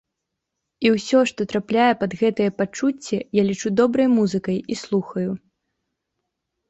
І ўсё, што трапляе пад гэтыя пачуцці, я лічу добрай музыкай і слухаю.